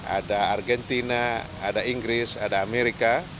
ada argentina ada inggris ada amerika